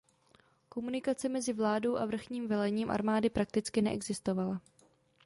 Komunikace mezi vládou a vrchním velením armády prakticky neexistovala.